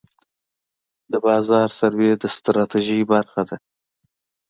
د بازار سروې د ستراتیژۍ برخه ده.